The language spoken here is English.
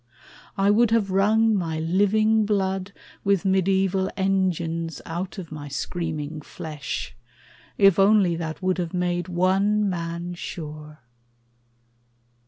I would have wrung My living blood with mediaeval engines Out of my screaming flesh, if only that Would have made one man sure.